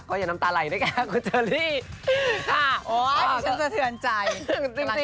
โอ๊ยฉันจะเถื่อนใจ